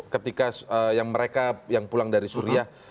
ketika yang mereka yang pulang dari suriah